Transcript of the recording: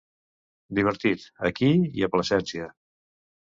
Divertit, aquí i a Plasencia.